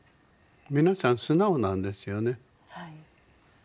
皆さん素直なんですよね。